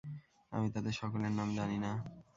আমি তাদের সকলের নাম জানি না।